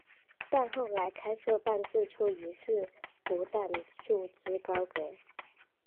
但后来开设办事处一事不但束之高阁。